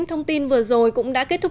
thông tin vừa rồi cũng đã kết thúc